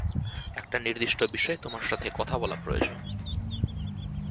একটা নির্দিষ্ট বিষয়ে তোমার সাথে কথা বলা প্রয়োজন।